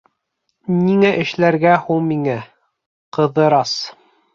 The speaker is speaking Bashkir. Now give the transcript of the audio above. — Нимә эшләргә һуң миңә, Ҡыҙырас?